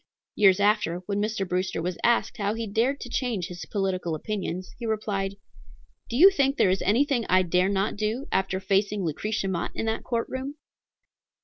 Years after, when Mr. Brewster was asked how he dared to change his political opinions, he replied, "Do you think there is anything I dare not do, after facing Lucretia Mott in that court room?"